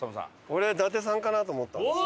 俺伊達さんかなと思ったんです。